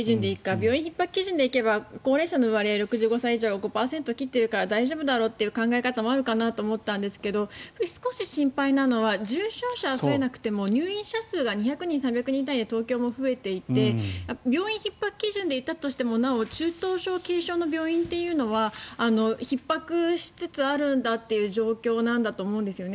病院ひっ迫基準で行くと高齢者の割合、６５歳は５％を切っているから大丈夫だろうという考え方もあるだろうと思うんですが少し心配なのは重症者は増えなくても入院者数が２００人、３００人単位で東京も増えていて病院ひっ迫基準でいったとしてもなお中等症・軽症の病院というのはひっ迫しつつあるんだという状況なんだと思うんですよね。